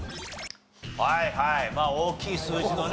はいはいまあ大きい数字のね